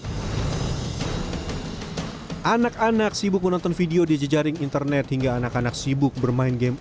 hai anak anak sibuk menonton video di jejaring internet hingga anak anak sibuk bermain game